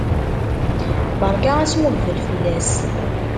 Berka asmuhbel fell-as!